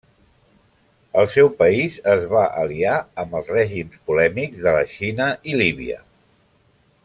El seu país es va aliar amb els règims polèmics de la Xina i Líbia.